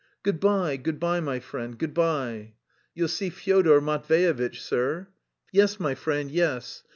"Good bye, good bye, my friend, good bye." "You'll see Fyodor Matveyevitch, sir..." "Yes, my friend, yes...